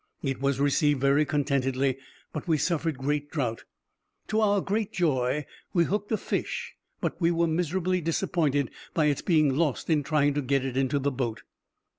It was received very contentedly, but we suffered great drought. To our great joy we hooked a fish, but we were miserably disappointed by its being lost in trying to get it into the boat.